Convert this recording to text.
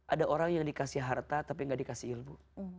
ada orang yang dikasih harta tapi nggak dikasih ilmu